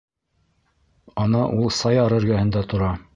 Ана ул Саяр эргәһендә тора.